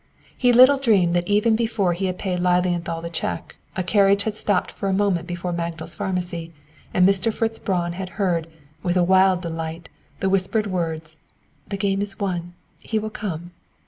He little dreamed that even before he had paid Lilienthal the cheque, a carriage had stopped for a moment before Magdal's Pharmacy, and Mr. Fritz Braun had heard, with a wild delight, the whispered words, "The game is won; he will come!"